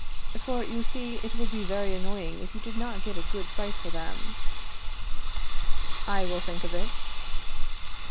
For, you see, it would be very annoying if you did not get a good price for them. I will think of it.